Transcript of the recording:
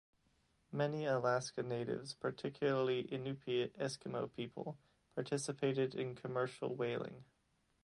Many Alaska Natives, particularly Inupiat Eskimo people, participated in commercial whaling.